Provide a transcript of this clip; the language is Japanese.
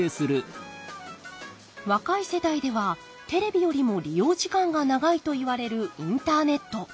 若い世代ではテレビよりも利用時間が長いといわれるインターネット。